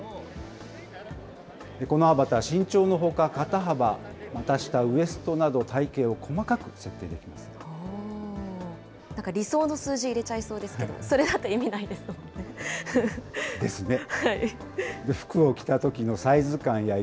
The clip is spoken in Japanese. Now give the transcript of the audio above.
このアバター、身長のほか肩幅、股下、ウエストなど体型を細かくなんか理想の数字入れちゃいそうですけど、それだと意味ないですもんね。